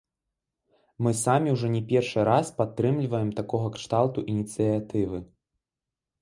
Мы самі ўжо не першы раз падтрымліваем такога кшталту ініцыятывы.